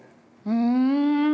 ・うん。